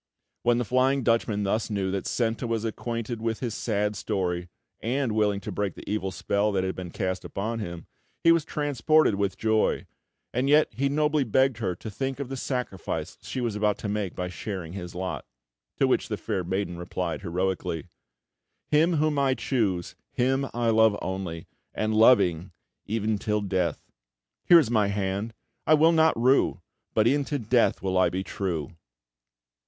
When the Flying Dutchman thus knew that Senta was acquainted with his sad story and willing to break the evil spell that had been cast upon him, he was transported with joy; and yet he nobly begged her to think of the sacrifice she was about to make by sharing his lot. To which the fair maiden replied heroically: "Him whom I choose, him I love only, And loving, e'en till death! Here is my hand! I will not rue! But e'en to death will I be true!"